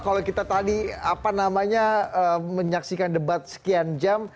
kalau kita tadi apa namanya menyaksikan debat sekian jam